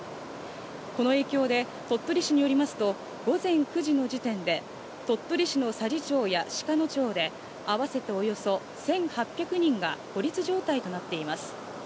この影響で鳥取市によりますと、午前９時の時点で鳥取市の佐治町や鹿野町で合わせて、およそ１８００人が孤立状態となっています。